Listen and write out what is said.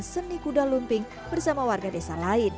dan melalui pertunjukan seni kuda lumping bersama warga desa lain